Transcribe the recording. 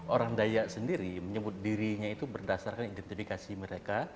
orang dayak sendiri menyebut dirinya itu berdasarkan identifikasi mereka